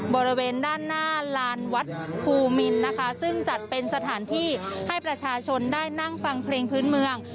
บริเวณด้านหน้าลานวัดภูมินนะคะซึ่งจัดเป็นสถานที่ให้ประชาชนได้นั่งฟังเพลงพื้นเมือง